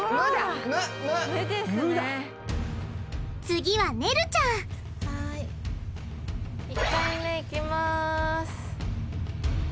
次はねるちゃん１回目いきます。